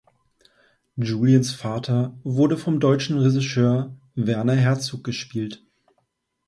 Juliens Vater wurde vom deutschen Regisseur Werner Herzog gespielt.